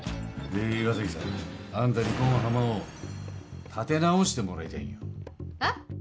で岩崎さん。あんたにこん浜を立て直してもらいたいんよ。